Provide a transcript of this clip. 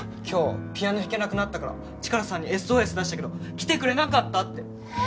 今日ピアノ弾けなくなったからチカラさんにＳＯＳ出したけど来てくれなかったって。